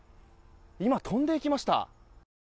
今飛んでいきました。